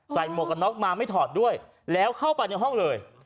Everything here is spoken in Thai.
หมวกกันน็อกมาไม่ถอดด้วยแล้วเข้าไปในห้องเลย